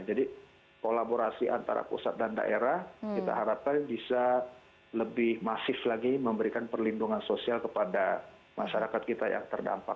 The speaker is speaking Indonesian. jadi kolaborasi antara pusat dan daerah kita harapkan bisa lebih masif lagi memberikan perlindungan sosial kepada masyarakat kita yang terdampak